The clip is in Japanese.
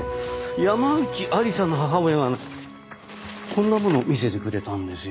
山内愛理沙の母親がこんなものを見せてくれたんですよ。